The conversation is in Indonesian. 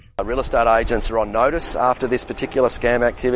agen agen real estate diberi perhatian setelah aktivitas skema ini